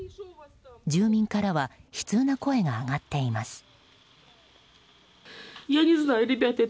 住民からは悲痛な声が上がっています。